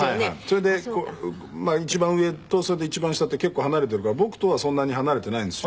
それでまあ一番上とそれと一番下って結構離れているから僕とはそんなに離れていないんですよ。